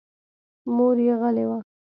مور مې غلې وه.